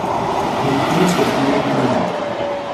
Rremt-iyi-d tasiwant-inu.